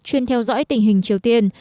chuyên theo dõi tình hình triều tiên